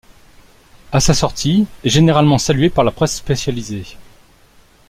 A sa sortie, ' est généralement salué par la presse spécialisée.